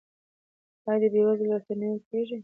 آیا د بې وزلو لاسنیوی کیږي؟